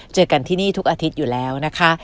เจอกันที่นี่ทุกอาทิตย์อยู่แล้วนะคะ